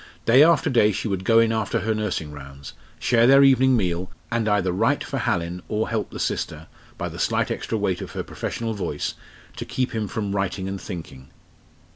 Day after day she would go in after her nursing rounds, share their evening meal, and either write for Hallin, or help the sister by the slight extra weight of her professional voice to keep him from writing and thinking.